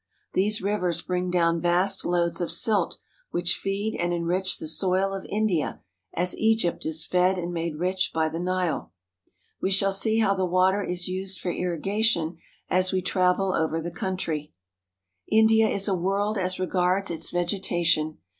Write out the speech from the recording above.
These rivers bring down vast loads of silt which feed and enrich the soil of India as Egypt is fed and made rich by the Nile. We shall see how the water is used for irrigation as we travel over the country. India is a world as regards its vegetation.